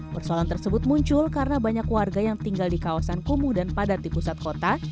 persoalan tersebut muncul karena banyak warga yang tinggal di kawasan kumuh dan padat di pusat kota